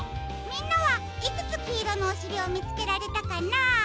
みんなはいくつきいろのおしりをみつけられたかな？